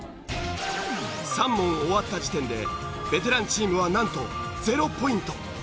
３問終わった時点でベテランチームはなんと０ポイント。